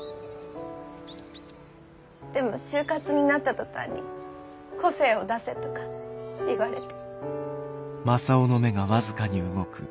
でも就活になった途端に「個性を出せ」とか言われて。